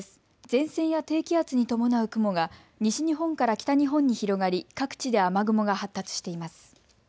前線や低気圧に伴う雲が西日本から北日本に広がり各地で雨雲が発達しています。